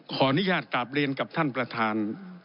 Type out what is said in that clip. ขออนุญาตกราบเรียนกับท่านประธาน